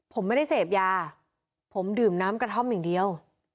ผมไม่ได้เสพยาผมดื่มน้ำกระท่อมอย่างเดียว